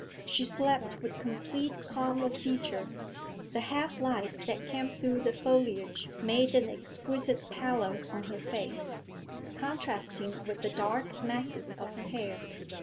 She slept with complete calm of feature the half lights that came through the foliage made an exquisite pallor on her face, contrasting with the dark masses of her hair.